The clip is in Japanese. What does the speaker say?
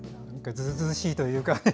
ずうずうしいというかね。